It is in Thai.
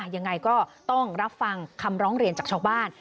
ยังไงก็ต้องรับฟังคำร้องเรียนจากชาวบ้าน